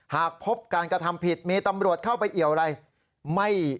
หากพบการกระทำผิดมีตำรวจเข้าไปเอี่ยวอะไร